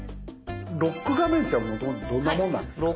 ロック画面ってもともとどんなもんなんですか？